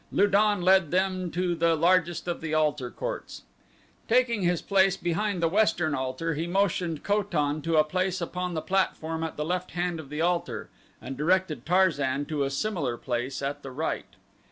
Lu don led them to the largest of the altar courts. Taking his place behind the western altar he motioned Ko tan to a place upon the platform at the left hand of the altar and directed Tarzan to a similar place at the right.